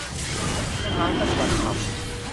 สถานปฏิบัติธรรม